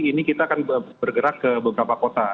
ini kita akan bergerak ke beberapa kota